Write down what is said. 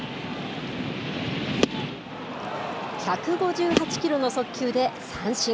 １５８キロの速球で三振。